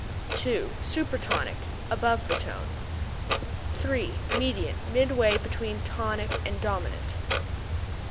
2. Super tonic above the tone. 3. Mediant midway between tonic and dominant.